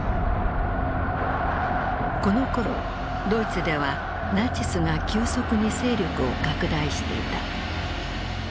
このころドイツではナチスが急速に勢力を拡大していた。